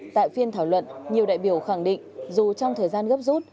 tại phiên thảo luận nhiều đại biểu khẳng định dù trong thời gian gấp rút